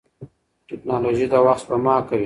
ټکنالوژي د وخت سپما کوي.